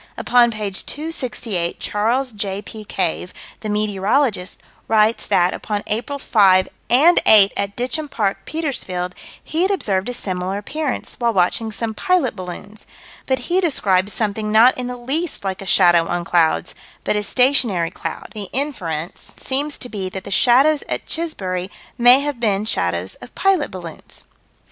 Upon page 268, Charles J.P. Cave, the meteorologist, writes that, upon April 5 and 8, at Ditcham Park, Petersfield, he had observed a similar appearance, while watching some pilot balloons but he describes something not in the least like a shadow on clouds, but a stationary cloud the inference seems to be that the shadows at Chisbury may have been shadows of pilot balloons.